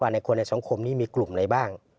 ในคนในสังคมนี้มีกลุ่มไหนบ้าง